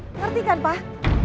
ngerti kan pak